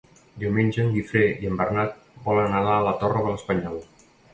Diumenge en Guifré i en Bernat volen anar a la Torre de l'Espanyol.